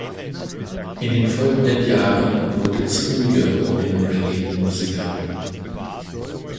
In den folgenden Jahren wurde es ruhiger um den Reggaemusiker.